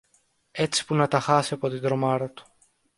έτσι που να τα χάσει από την τρομάρα του.